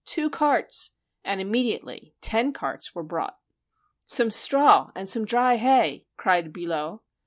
two carts!" and immediately ten carts were brought. "Some straw and some dry hay!" cried Billot.